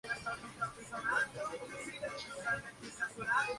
Fue el último cardenal que no había sido ordenado sacerdote.